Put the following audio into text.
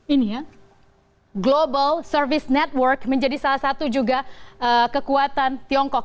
ini ya global service network menjadi salah satu juga kekuatan tiongkok